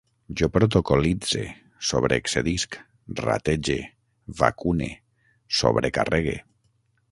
Jo protocol·litze, sobreexcedisc, ratege, vacune, sobrecarregue